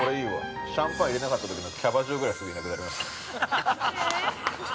◆シャンパン入れなかったときのキャバ嬢ぐらいすぐなくなりました。